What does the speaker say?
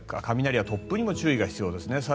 雷や突風にも注意が必要ですね。